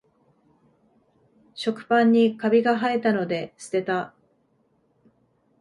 食パンにカビがはえたので捨てた